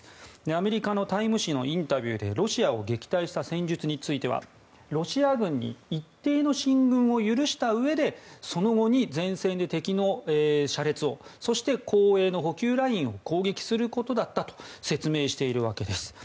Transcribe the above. アメリカの「タイム」誌のインタビューでロシアを撃退した戦術についてはロシア軍に一定の進軍を許したうえでその後に前線で敵の車列をそして後衛の補給ラインを攻撃することだったと説明しているわけです。